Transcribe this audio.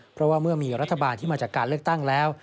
เพราะว่าเมื่อมีรัฐบาลที่มาจากการเลือกตั้งแล้ว